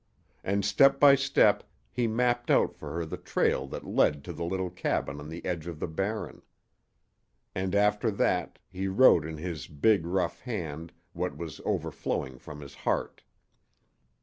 And step by step he mapped out for her the trail that led to the little cabin on the edge of the Barren. And after that he wrote in his big, rough hand what was overflowing from his heart.